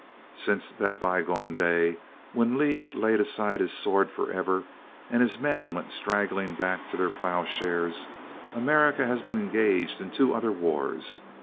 Since that bygone day when Lee laid aside his sword forever, and his men went straggling back to their plowshares, America has become engaged in two other wars.